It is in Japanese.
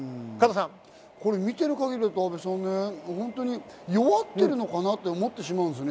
見ている限り、阿部さん、弱っているのかなって思ってしまうんですよね。